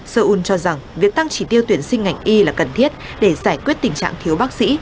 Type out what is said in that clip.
seok yun cho rằng việc tăng chi tiêu tuyển sinh ngành y là cần thiết để giải quyết tình trạng thiếu bác sĩ